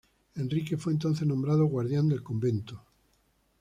Enrique fue entonces nombrado guardián del convento.